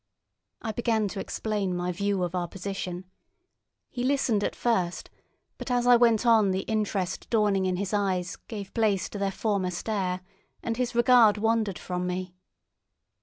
I began to explain my view of our position. He listened at first, but as I went on the interest dawning in his eyes gave place to their former stare, and his regard wandered from me.